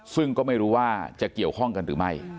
ซึ่งก็ไม่รู้ว่าจะเกี่ยวข้องกันหรือไม่